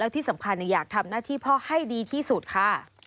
ที่สำคัญอยากทำหน้าที่พ่อให้ดีที่สุดค่ะ